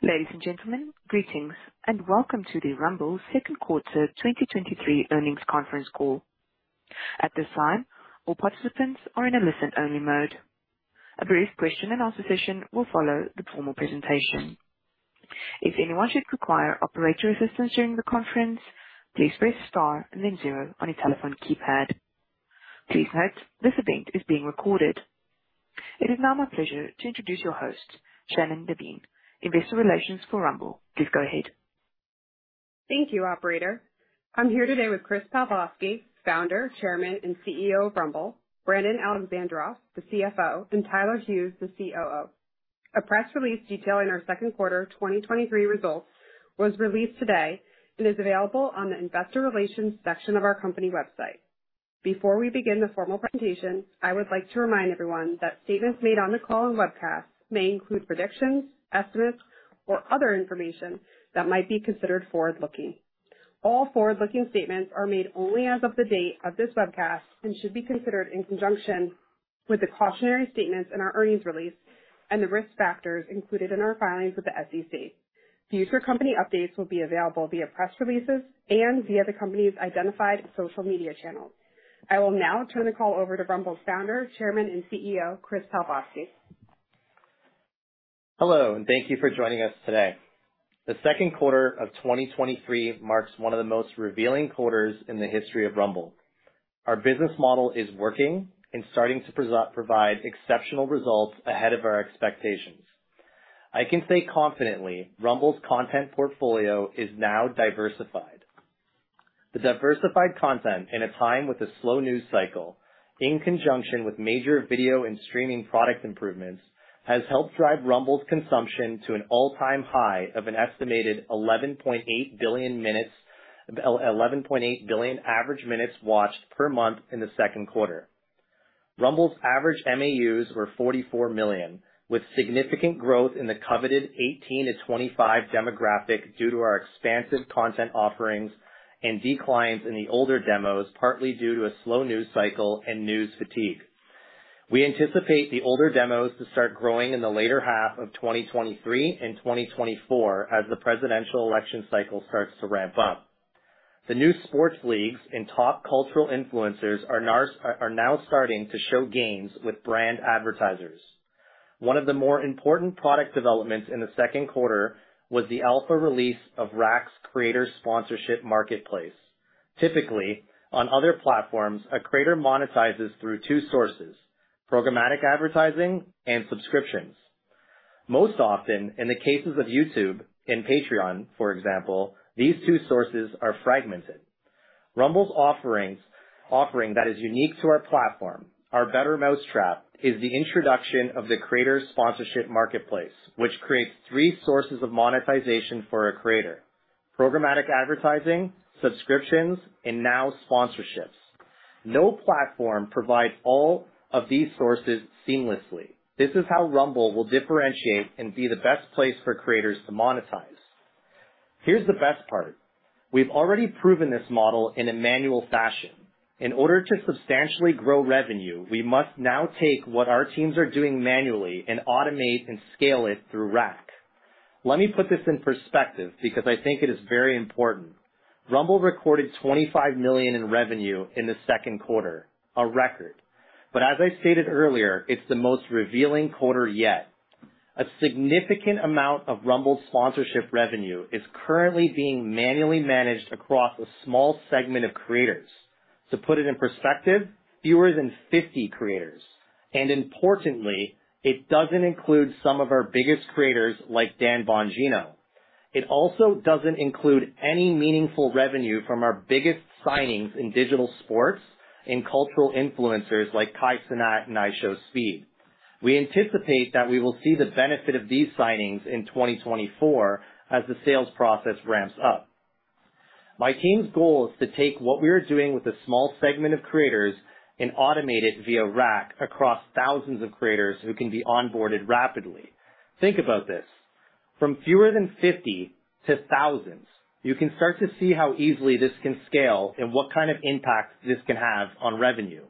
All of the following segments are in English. Ladies and gentlemen, greetings, and welcome to the Rumble second quarter 2023 earnings conference call. At this time, all participants are in a listen-only mode. A brief question and answer session will follow the formal presentation. If anyone should require operator assistance during the conference, please press star and then 0 on your telephone keypad. Please note, this event is being recorded. It is now my pleasure to introduce your host, Shannon Devine, investor relations for Rumble. Please go ahead. Thank you, operator. I'm here today with Chris Pavlovski, founder, chairman, and CEO of Rumble, Brandon Alexandroff, the CFO, and Tyler Hughes, the COO. A press release detailing our second quarter 2023 results was released today and is available on the investor relations section of our company website. Before we begin the formal presentation, I would like to remind everyone that statements made on the call and webcast may include predictions, estimates, or other information that might be considered forward-looking. All forward-looking statements are made only as of the date of this webcast and should be considered in conjunction with the cautionary statements in our earnings release and the risk factors included in our filings with the SEC. Future company updates will be available via press releases and via the company's identified social media channels. I will now turn the call over to Rumble's Founder, Chairman, and CEO, Chris Pavlovski. Hello, thank you for joining us today. The second quarter of 2023 marks one of the most revealing quarters in the history of Rumble. Our business model is working and starting to provide exceptional results ahead of our expectations. I can say confidently, Rumble's content portfolio is now diversified. The diversified content, in a time with a slow news cycle, in conjunction with major video and streaming product improvements, has helped drive Rumble's consumption to an all-time high of an estimated 11.8 billion minutes, 11.8 billion average minutes watched per month in the second quarter. Rumble's average MAUs were 44 million, with significant growth in the coveted 18-25 demographic due to our expansive content offerings and declines in the older demos, partly due to a slow news cycle and news fatigue. We anticipate the older demos to start growing in the later half of 2023 and 2024 as the presidential election cycle starts to ramp up. The new sports leagues and top cultural influencers are now starting to show gains with brand advertisers. One of the more important product developments in the second quarter was the alpha release of RAC's Creator Sponsorship Marketplace. Typically, on other platforms, a creator monetizes through two sources: programmatic advertising and subscriptions. Most often, in the cases of YouTube and Patreon, for example, these two sources are fragmented. Rumble's offerings, offering that is unique to our platform, our better mousetrap, is the introduction of the Creator Sponsorship Marketplace, which creates three sources of monetization for a creator: programmatic advertising, subscriptions, and now sponsorships. No platform provides all of these sources seamlessly. This is how Rumble will differentiate and be the best place for creators to monetize. Here's the best part: We've already proven this model in a manual fashion. In order to substantially grow revenue, we must now take what our teams are doing manually and automate and scale it through RAC. Let me put this in perspective because I think it is very important. Rumble recorded $25 million in revenue in the second quarter, a record. As I stated earlier, it's the most revealing quarter yet. A significant amount of Rumble's sponsorship revenue is currently being manually managed across a small segment of creators. To put it in perspective, fewer than 50 creators, and importantly, it doesn't include some of our biggest creators, like Dan Bongino. It also doesn't include any meaningful revenue from our biggest signings in digital sports and cultural influencers like Kai Cenat and IShowSpeed. We anticipate that we will see the benefit of these signings in 2024 as the sales process ramps up. My team's goal is to take what we are doing with a small segment of creators and automate it via RAC across thousands of creators who can be onboarded rapidly. Think about this, from fewer than 50 to thousands, you can start to see how easily this can scale and what kind of impact this can have on revenue.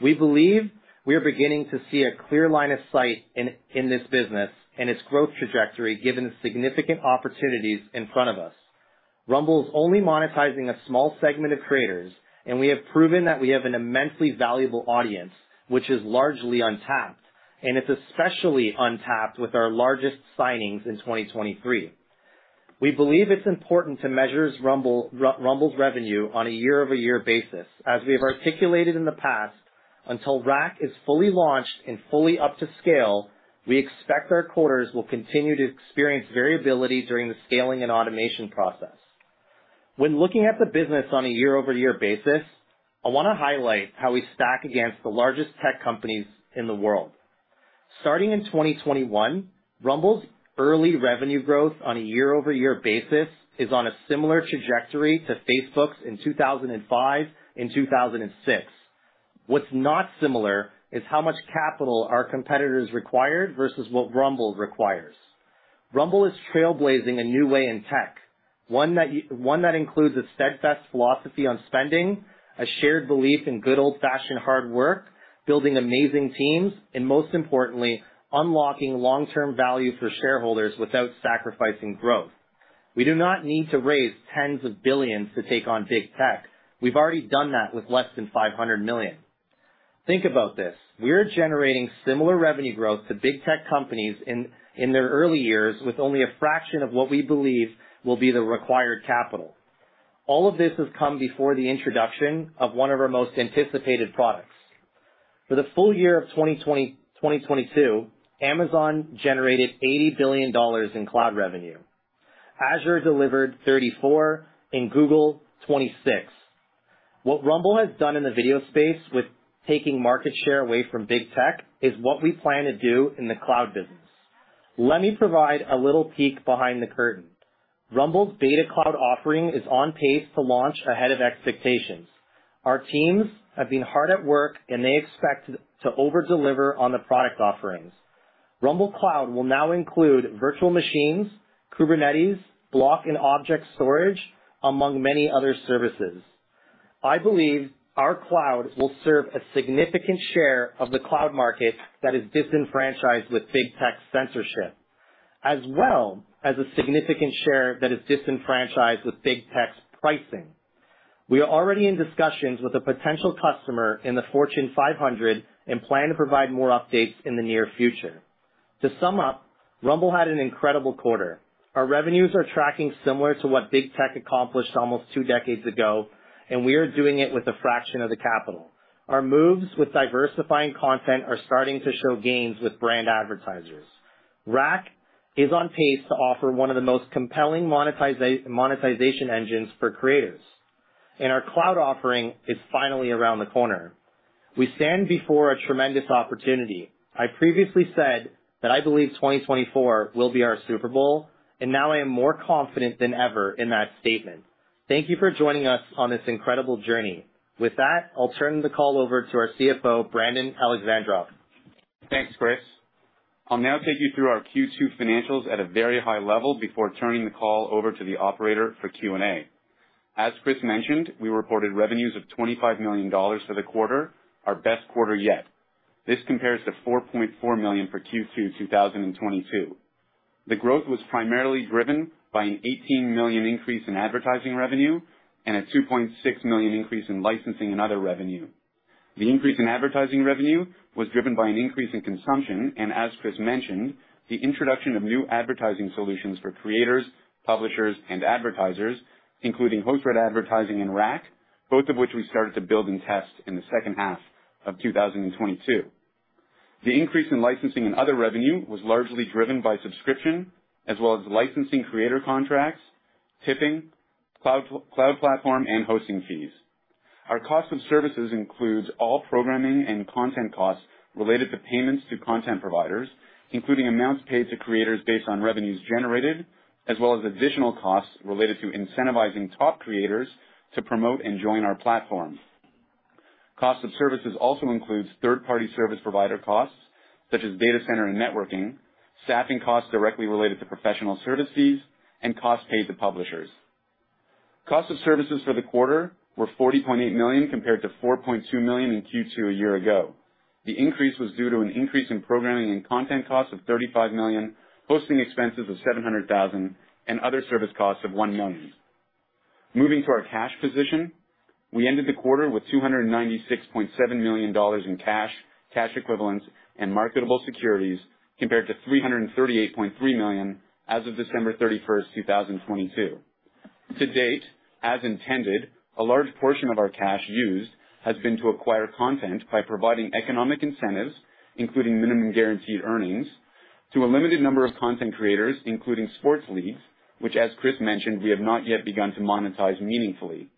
We believe we are beginning to see a clear line of sight in this business and its growth trajectory, given the significant opportunities in front of us. Rumble is only monetizing a small segment of creators, and we have proven that we have an immensely valuable audience, which is largely untapped, and it's especially untapped with our largest signings in 2023. We believe it's important to measure Rumble's revenue on a year-over-year basis. As we have articulated in the past, until RAC is fully launched and fully up to scale, we expect our quarters will continue to experience variability during the scaling and automation process. When looking at the business on a year-over-year basis, I want to highlight how we stack against the largest tech companies in the world. Starting in 2021, Rumble's early revenue growth on a year-over-year basis is on a similar trajectory to Facebook's in 2005 and 2006. What's not similar is how much capital our competitors required versus what Rumble requires. Rumble is trailblazing a new way in tech. One that includes a steadfast philosophy on spending, a shared belief in good old-fashioned hard work, building amazing teams, and most importantly, unlocking long-term value for shareholders without sacrificing growth. We do not need to raise $10s of billions to take on big tech. We've already done that with less than $500 million. Think about this: We are generating similar revenue growth to big tech companies in their early years, with only a fraction of what we believe will be the required capital. All of this has come before the introduction of one of our most anticipated products. For the full year of 2022, Amazon generated $80 billion in cloud revenue. Azure delivered $34 billion, and Google, $26 billion. What Rumble has done in the video space with taking market share away from big tech is what we plan to do in the cloud business. Let me provide a little peek behind the curtain. Rumble's beta cloud offering is on pace to launch ahead of expectations. Our teams have been hard at work, and they expect to over-deliver on the product offerings. Rumble Cloud will now include virtual machines, Kubernetes, block and object storage, among many other services. I believe our cloud will serve a significant share of the cloud market that is disenfranchised with big tech censorship, as well as a significant share that is disenfranchised with big tech's pricing. We are already in discussions with a potential customer in the Fortune 500 and plan to provide more updates in the near future. To sum up, Rumble had an incredible quarter. Our revenues are tracking similar to what big tech accomplished almost 2 decades ago. We are doing it with a fraction of the capital. Our moves with diversifying content are starting to show gains with brand advertisers. RAC is on pace to offer one of the most compelling monetization engines for creators. Our cloud offering is finally around the corner. We stand before a tremendous opportunity. I previously said that I believe 2024 will be our Super Bowl, and now I am more confident than ever in that statement. Thank you for joining us on this incredible journey. With that, I'll turn the call over to our CFO, Brandon Alexandroff. Thanks, Chris. I'll now take you through our Q2 financials at a very high level before turning the call over to the operator for Q&A. As Chris mentioned, we reported revenues of $25 million for the quarter, our best quarter yet. This compares to $4.4 million for Q2 2022. The growth was primarily driven by an $18 million increase in advertising revenue and a $2.6 million increase in licensing and other revenue. The increase in advertising revenue was driven by an increase in consumption, and as Chris mentioned, the introduction of new advertising solutions for creators, publishers, and advertisers, including host-read advertising and RAC, both of which we started to build and test in the second half of 2022. The increase in licensing and other revenue was largely driven by subscription, as well as licensing creator contracts, tipping, cloud platform, and hosting fees. Our cost of services includes all programming and content costs related to payments to content providers, including amounts paid to creators based on revenues generated, as well as additional costs related to incentivizing top creators to promote and join our platform. Cost of services also includes third-party service provider costs, such as data center and networking, staffing costs directly related to professional services, and costs paid to publishers. Cost of services for the quarter were $40.8 million, compared to $4.2 million in Q2 a year ago. The increase was due to an increase in programming and content costs of $35 million, hosting expenses of $700,000, and other service costs of $1 million. Moving to our cash position, we ended the quarter with $296.7 million in cash, cash equivalents, and marketable securities, compared to $338.3 million as of December 31, 2022. To date, as intended, a large portion of our cash used has been to acquire content by providing economic incentives, including minimum guaranteed earnings, to a limited number of content creators, including sports leagues, which, as Chris mentioned, we have not yet begun to monetize meaningfully.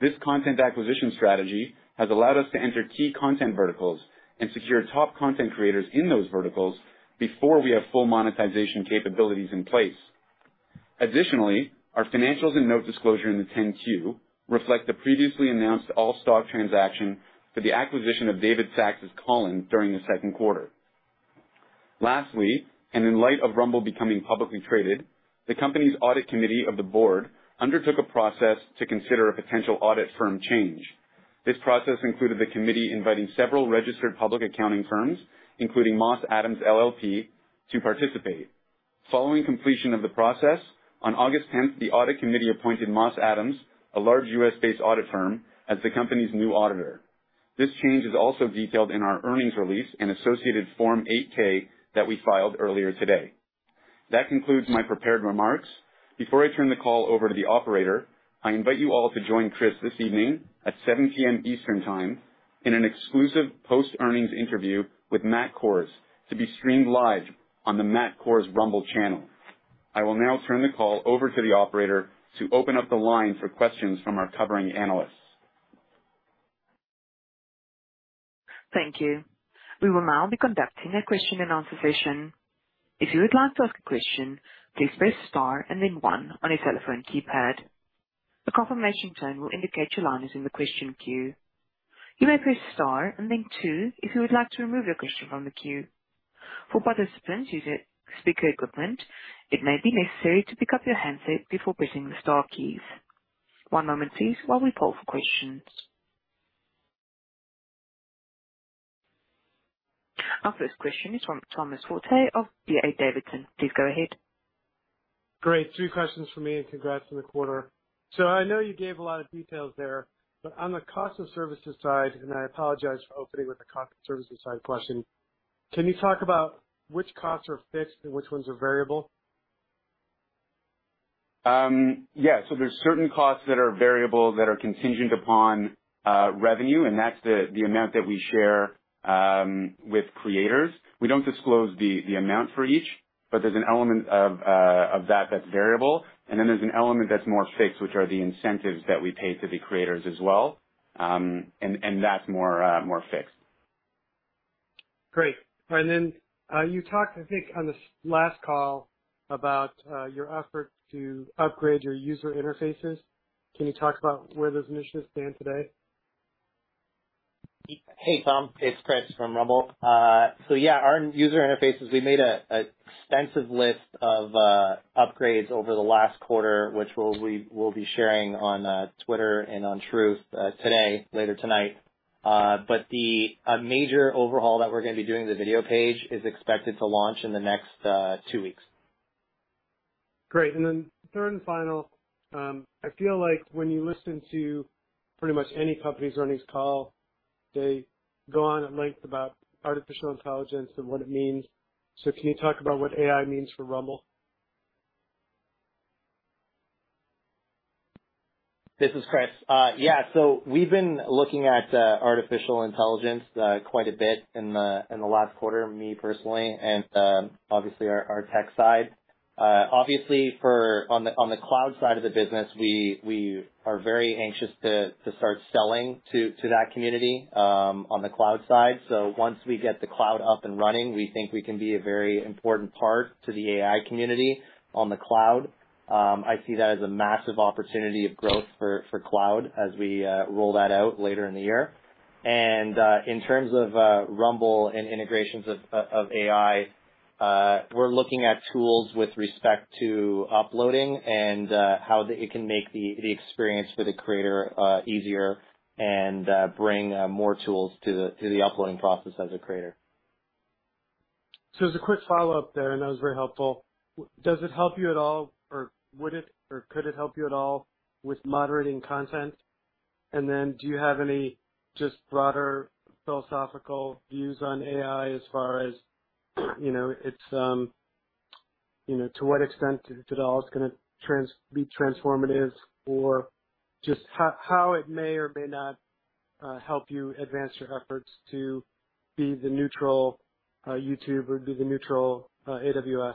This content acquisition strategy has allowed us to enter key content verticals and secure top content creators in those verticals before we have full monetization capabilities in place. Additionally, our financials and note disclosure in the 10-Q reflect the previously announced all-stock transaction for the acquisition of David Sacks' Callin during the second quarter. Lastly, and in light of Rumble becoming publicly traded, the company's audit committee of the board undertook a process to consider a potential audit firm change. This process included the committee inviting several registered public accounting firms, including Moss Adams LLP, to participate. Following completion of the process, on August 10th, the audit committee appointed Moss Adams, a large U.S.-based audit firm, as the company's new auditor. This change is also detailed in our earnings release and associated Form 8-K that we filed earlier today. That concludes my prepared remarks. Before I turn the call over to the operator, I invite you all to join Chris this evening at 7:00 P.M. Eastern Time in an exclusive post-earnings interview with Matt Kohrs, to be streamed live on the Matt Kohrs Rumble channel. I will now turn the call over to the operator to open up the line for questions from our covering analysts. Thank you. We will now be conducting a question-and-answer session. If you would like to ask a question, please press star and then one on your telephone keypad. A confirmation tone will indicate your line is in the question queue. You may press star and then two if you would like to remove your question from the queue. For participants using speaker equipment, it may be necessary to pick up your handset before pressing the star keys. One moment please while we poll for questions. Our first question is from Thomas Forte of D.A. Davidson. Please go ahead. Great. Two questions for me, and congrats on the quarter. I know you gave a lot of details there, but on the cost of services side, and I apologize for opening with the cost of services side question, can you talk about which costs are fixed and which ones are variable? Yeah. There's certain costs that are variable, that are contingent upon, revenue, and that's the, the amount that we share, with creators. We don't disclose the, the amount for each, but there's an element of, of that, that's variable. Then there's an element that's more fixed, which are the incentives that we pay to the creators as well. That's more, more fixed. Great. Then, you talked, I think, on this last call about, your effort to upgrade your user interfaces. Can you talk about where those initiatives stand today? Hey, Tom, it's Chris from Rumble. Yeah, our user interfaces, we made a, a extensive list of upgrades over the last quarter, which we'll, we will be sharing on Twitter and on Truth today, later tonight. The, a major overhaul that we're going to be doing, the video page, is expected to launch in the next 2 weeks. Great. Then third and final. I feel like when you listen to pretty much any company's earnings call, they go on at length about artificial intelligence and what it means. So can you talk about what AI means for Rumble? This is Chris. Yeah. We've been looking at artificial intelligence quite a bit in the last quarter, me personally, and obviously our tech side. Obviously on the cloud side of the business, we are very anxious to start selling to that community on the cloud side. Once we get the cloud up and running, we think we can be a very important part to the AI community on the cloud. I see that as a massive opportunity of growth for cloud as we roll that out later in the year. In terms of Rumble and integrations of AI, we're looking at tools with respect to uploading and how it can make the experience for the creator easier and bring more tools to the uploading process as a creator. As a quick follow-up there, and that was very helpful. Does it help you at all, or would it, or could it help you at all with moderating content? Do you have any just broader philosophical views on AI as far as, you know, it's, you know, to what extent, if at all, it's going to trans- be transformative, or just how, how it may or may not, help you advance your efforts to be the neutral, YouTube or be the neutral, AWS?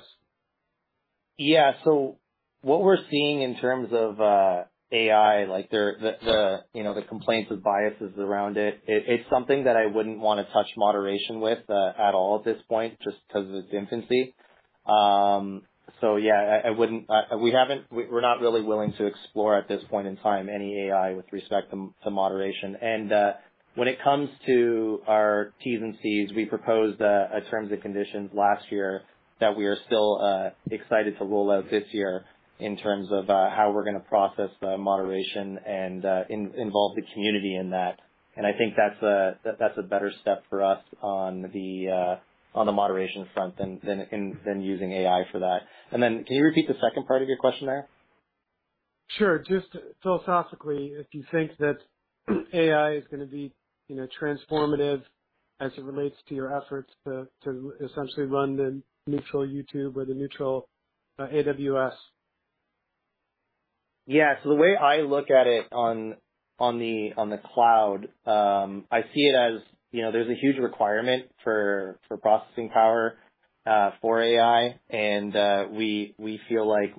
Yeah. What we're seeing in terms of AI, like there, the, the, you know, the complaints of biases around it, it's something that I wouldn't want to touch moderation with at all at this point, just because of its infancy. Yeah, I wouldn't. We're not really willing to explore at this point in time any AI with respect to, to moderation. When it comes to our T's and C's, we proposed a terms and conditions last year that we are still excited to roll out this year in terms of how we're going to process the moderation and involve the community in that. I think that's a, that's a better step for us on the moderation front than, than, than using AI for that. Then can you repeat the second part of your question there? Sure. Just philosophically, if you think that AI is going to be, you know, transformative as it relates to your efforts to, to essentially run the neutral YouTube or the neutral AWS. Yeah. the way I look at it on, on the, on the cloud, I see it as, you know, there's a huge requirement for, for processing power, for AI, and, we feel like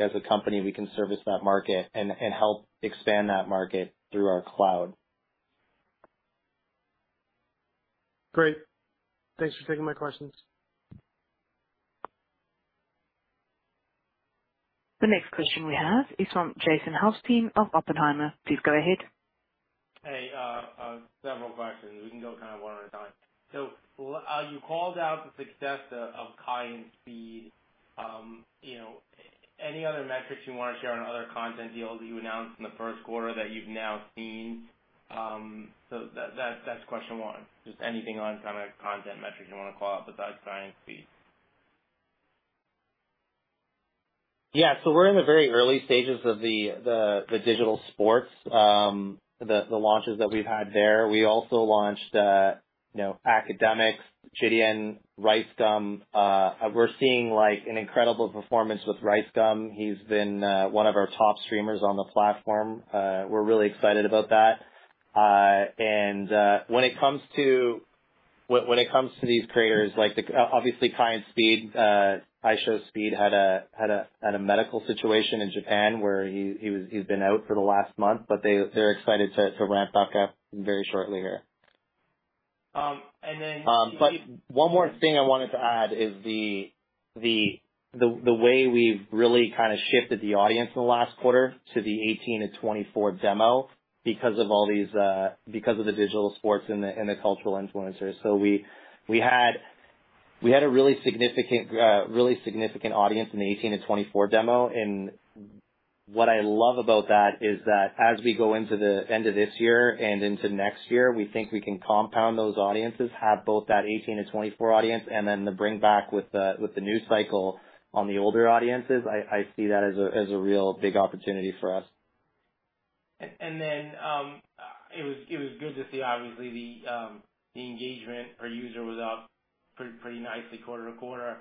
as a company, we can service that market and, and help expand that market through our cloud. Great. Thanks for taking my questions. The next question we have is from Jason Helfstein of Oppenheimer. Please go ahead. Hey, several questions. We can go kind of one at a time. You called out the success of Kai and Speed. You know, any other metrics you want to share on other content deals that you announced in the first quarter that you've now seen? That's question one. Just anything on kind of content metrics you want to call out besides Kai and Speed? Yeah. We're in the very early stages of the, the, the digital sports, the, the launches that we've had there. We also launched, you know, Akademiks, JiDion, RiceGum. We're seeing, like, an incredible performance with RiceGum. He's been one of our top streamers on the platform. We're really excited about that. When it comes to, when, when it comes to these creators, like the. Obviously, Kai and Speed, IShowSpeed, had a, had a, had a medical situation in Japan, where he's been out for the last month, but they're excited to, to ramp back up very shortly here.... Um, and then- One more thing I wanted to add is the, the, the, the way we've really kind of shifted the audience in the last quarter to the 18 to 24 demo because of all these, because of the digital sports and the, and the cultural influencers. We, we had, we had a really significant, really significant audience in the 18 to 24 demo. What I love about that is that as we go into the end of this year and into next year, we think we can compound those audiences, have both that 18 to 24 audience, and then the bring back with the, with the new cycle on the older audiences. I, I see that as a, as a real big opportunity for us. It was, it was good to see obviously the engagement per user was up pretty, pretty nicely quarter-to-quarter.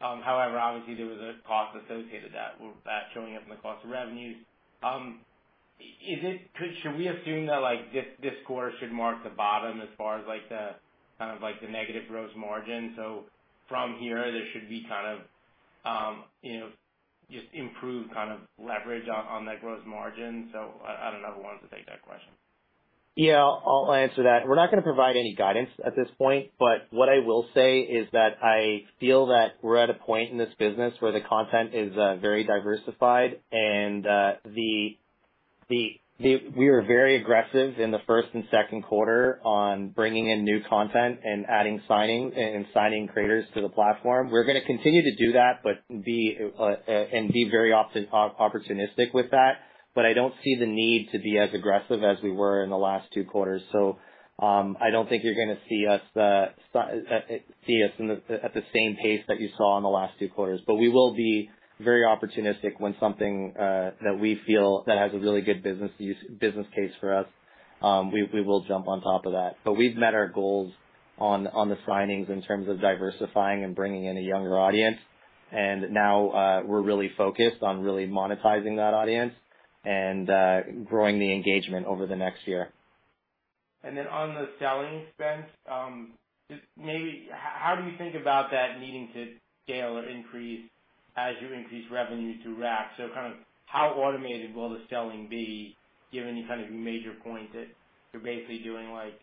However, obviously there was a cost associated that, with that showing up in the cost of revenues. Should we assume that, like, this, this quarter should mark the bottom as far as, like, the kind of like the negative gross margin? From here, there should be kind of, you know, just improved kind of leverage on, on that gross margin. I, I don't know who wants to take that question. Yeah, I'll answer that. We're not gonna provide any guidance at this point, but what I will say is that I feel that we're at a point in this business where the content is very diversified and we were very aggressive in the first and second quarter on bringing in new content and adding signings and signing creators to the platform. We're gonna continue to do that, but be and be very opportunistic with that. I don't see the need to be as aggressive as we were in the last two quarters. I don't think you're gonna see us see us in the, at the same pace that you saw in the last two quarters. We will be very opportunistic when something that we feel that has a really good business use- business case for us, we, we will jump on top of that. We've met our goals on, on the signings in terms of diversifying and bringing in a younger audience, and now we're really focused on really monetizing that audience and growing the engagement over the next year. On the selling expense, just maybe how do you think about that needing to scale or increase as you increase revenue through RAC? Kind of how automated will the selling be, given the kind of major point that you're basically doing, like,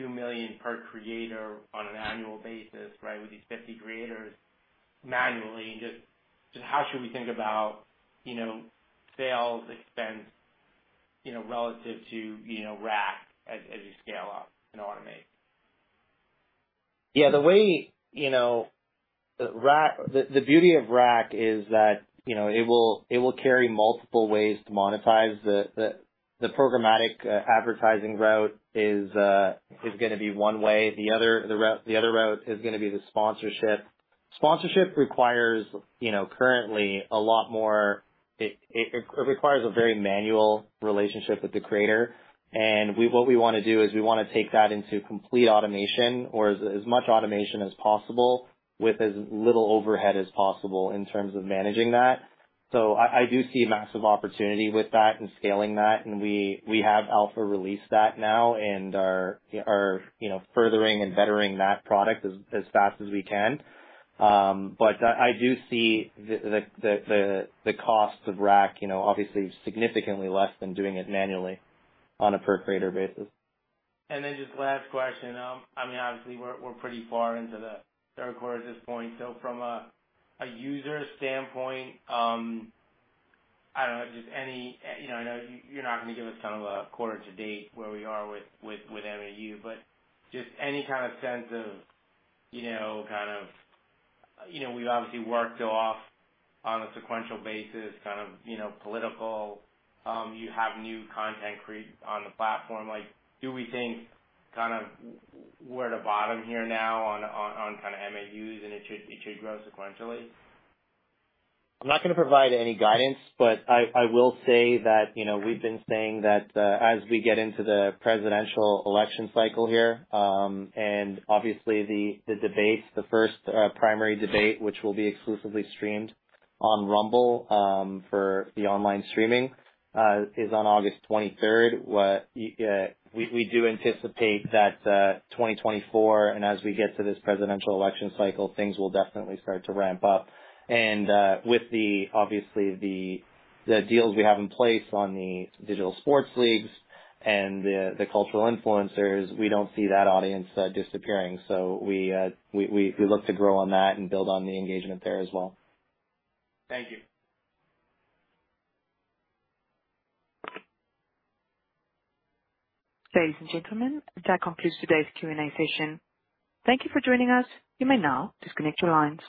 $2 million per creator on an annual basis, right? With these 50 creators manually. Just how should we think about, you know, sales expense, you know, relative to, you know, RAC as, as you scale up and automate? Yeah, the way, you know, RAC. The, the beauty of RAC is that, you know, it will, it will carry multiple ways to monetize. The, the, the programmatic advertising route is gonna be one way. The other, the other route is gonna be the sponsorship. Sponsorship requires, you know, currently a lot more. It, it, it requires a very manual relationship with the creator. What we want to do is we want to take that into complete automation or as, as much automation as possible, with as little overhead as possible in terms of managing that. I, I do see massive opportunity with that and scaling that. We, we have alpha released that now and are, are, you know, furthering and bettering that product as, as fast as we can. I, I do see the, the, the, the, the costs of RAC, you know, obviously significantly less than doing it manually on a per creator basis. Just last question. I mean, obviously, we're, we're pretty far into the third quarter at this point. From a, a user standpoint, I don't know, just any, you know, I know you're not going to give us kind of a quarter-to-date where we are with, with, with MAU, but just any kind of sense of, you know, kind of, you know, we've obviously worked off on a sequential basis, kind of, you know, political, you have new content create on the platform. Like, do we think kind of we're at a bottom here now on, on, on kind of MAUs and it should, it should grow sequentially? I'm not going to provide any guidance, but I, I will say that, you know, we've been saying that, as we get into the presidential election cycle here, and obviously the, the debates, the first primary debate, which will be exclusively streamed on Rumble, for the online streaming, is on August 23rd. We do anticipate that 2024 and as we get to this presidential election cycle, things will definitely start to ramp up. With the, obviously the, the deals we have in place on the digital sports leagues and the, the cultural influencers, we don't see that audience disappearing. We look to grow on that and build on the engagement there as well. Thank you. Ladies and gentlemen, that concludes today's Q&A session. Thank you for joining us. You may now disconnect your lines.